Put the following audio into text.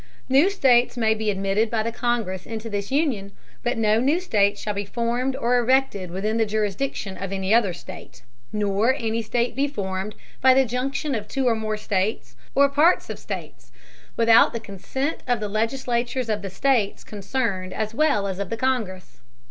New States may be admitted by the Congress into this Union; but no new State shall be formed or erected within the Jurisdiction of any other State; nor any State be formed by the Junction of two or more States, or Parts of States, without the Consent of the Legislatures of the States concerned as well as of the Congress.